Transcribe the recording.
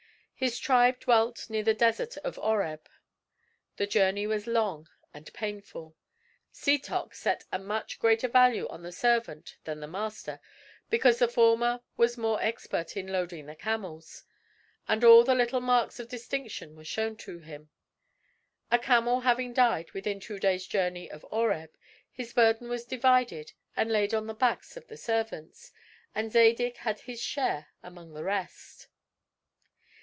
His tribe dwelt near the Desert of Oreb. The journey was long and painful. Setoc set a much greater value on the servant than the master, because the former was more expert in loading the camels; and all the little marks of distinction were shown to him. A camel having died within two days' journey of Oreb, his burden was divided and laid on the backs of the servants; and Zadig had his share among the rest.